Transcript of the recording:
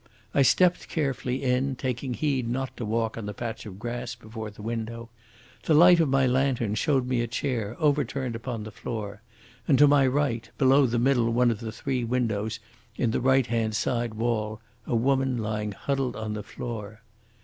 I stepped carefully in, taking heed not to walk on the patch of grass before the window. The light of my lantern showed me a chair overturned upon the floor, and to my right, below the middle one of the three windows in the right hand side wall, a woman lying huddled upon the floor.